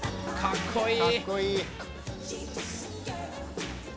かっこいい！